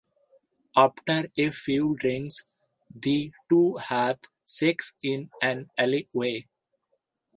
After a few drinks, the two have sex in an alleyway.